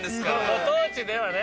ご当地ではね。